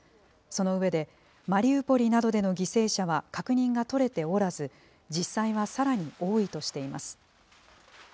その上で、マリウポリなどでの犠牲者は確認が取れておらず、実際はさらに多いとしています。